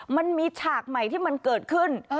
มันมีฉากใหม่ที่มันเกิดขึ้น